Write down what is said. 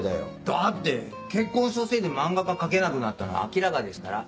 だって結婚したせいで漫画が描けなくなったのは明らかですから。